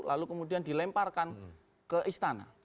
lalu kemudian dilemparkan ke istana